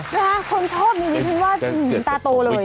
นะคุณชอบมีพื้นวาดมีตาโตเลย